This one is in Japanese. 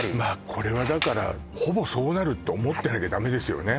これはだからほぼそうなるって思ってなきゃダメですよね